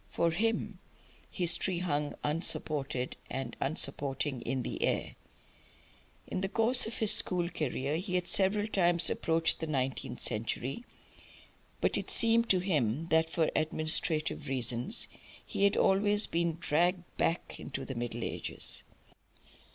For him history hung unsupported and unsupporting in the air. In the course of his school career he had several times approached the nineteenth century, but it seemed to him that for administrative reasons he was always being dragged back again to the Middle Ages.